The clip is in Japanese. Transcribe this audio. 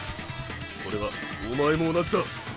それはおまえも同じだ。